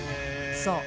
そう。